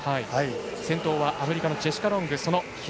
先頭はアメリカのジェシカ・ロング。